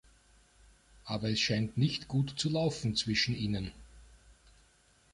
Aber es scheint nicht gut zu laufen zwischen ihnen.